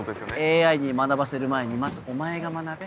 ＡＩに学ばせる前にまずお前が学べ。